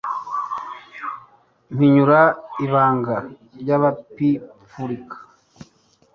mpinyura ibanga ry'ababipfurika